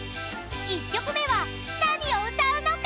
［１曲目は何を歌うのかな？］